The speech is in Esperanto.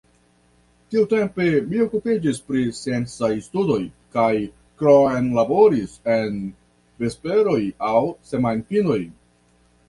Tiutempe mi okupiĝis pri sciencaj studoj kaj kromlaboris en vesperoj aŭ semajnfinoj.